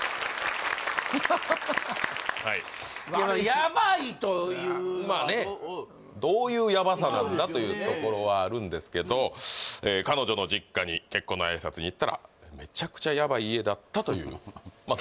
ヤバいというのはまあねどういうヤバさなんだというところはあるんですけど彼女の実家に結婚の挨拶に行ったらというまあ